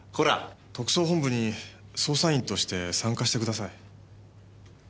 特捜本部に捜査員として参加してください。